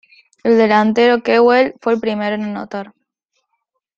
El delantero Kewell fue el primero en anotar.